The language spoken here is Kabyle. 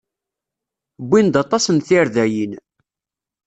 Wwin-d aṭas n tirdayin.